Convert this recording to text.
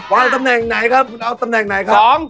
ตำแหน่งไหนครับคุณเอาตำแหน่งไหนครับ